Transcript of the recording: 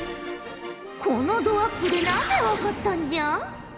このどアップでなぜ分かったんじゃ？